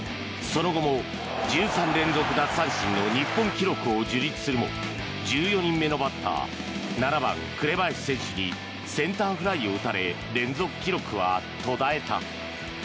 その後も１３連続奪三振の日本記録を樹立するも１４人目のバッター７番、紅林選手にセンターフライを打たれ連続記録は途絶えた。